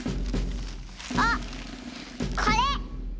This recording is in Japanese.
あっこれ！